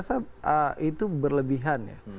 saya itu berlebihan ya